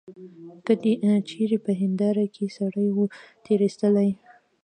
که دي چیري په هنیداره کي سړی وو تېرایستلی.